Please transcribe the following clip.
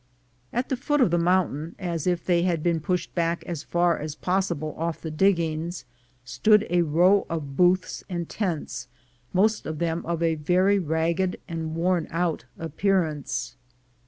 At the foot of the mountain, as if they had been pushed back as far as possible off the diggings, stood a row of booths and tents, most of them of a very ragged and worn out appearance.